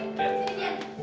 dia mau bersama ina